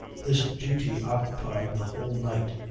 This duty occupied the whole night."